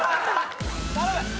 頼む。